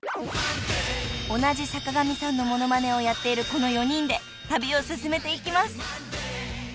［同じ坂上さんのモノマネをやっているこの４人で旅を進めていきます］